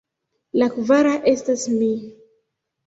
La kvara estas mi.